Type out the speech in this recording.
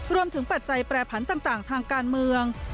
ปัจจัยแปรผันต่างทางการเมือง